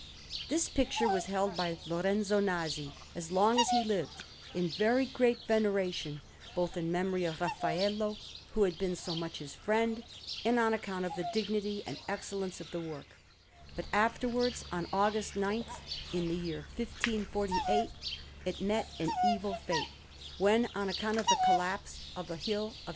This picture was held by Lorenzo Nasi, as long as he lived, in very great veneration, both in memory of Raffaello, who had been so much his friend, and on account of the dignity and excellence of the work; but afterwards, on August 9, in the year 1548, it met an evil fate, when, on account of the collapse of the hill of S.